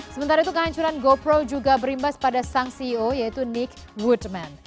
sementara itu kehancuran gopro juga berimbas pada sang ceo yaitu nick woodman